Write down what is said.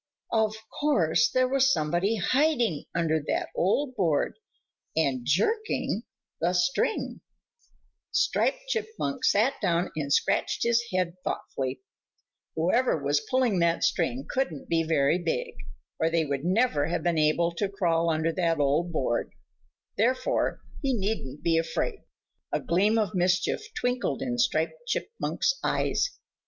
Of course there was somebody hiding under that old board and jerking the string. [Illustration: He seized the other end of the string and began to pull. Page 88.] Striped Chipmunk sat down and scratched his head thoughtfully. Whoever was pulling that string couldn't be very big, or they would never have been able to crawl under that old board, therefore he needn't be afraid. A gleam of mischief twinkled in Striped Chipmunk's eyes.